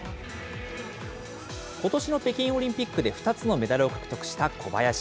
ことしの北京オリンピックで２つのメダルを獲得した小林。